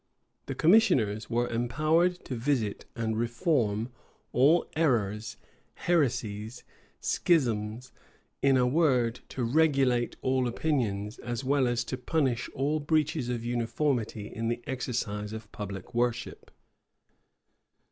The commissioners were empowered to visit and reform all errors, heresies, schisms, in a word, to regulate all opinions, as well as to punish all breach of uniformity in the exercise of public worship.